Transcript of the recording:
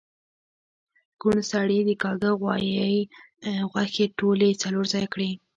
کوڼ سړي د کاږه غوایی غوښې ټولی څلور ځایه کړی